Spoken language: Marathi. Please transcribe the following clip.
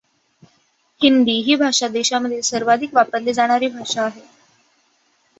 हिंदी ही भारत देशामधील सर्वाधिक वापरली जाणारी भाषा आहे.